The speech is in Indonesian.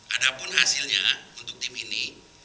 ada pun hasilnya untuk tim ini